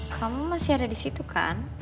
kamu masih ada di situ kan